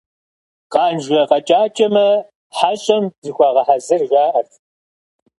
Къанжэ къэкӀакӀэмэ, хьэщӀэм зыхуэгъэхьэзыр, жаӀэрт.